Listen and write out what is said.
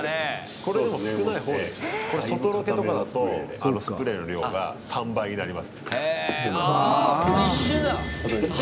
これ、外ロケとかだとあのスプレーの量が３倍になりますね。